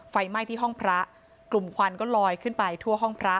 ไฟไหม้ที่ห้องพระกลุ่มควันก็ลอยขึ้นไปทั่วห้องพระ